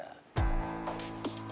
repot nggak ada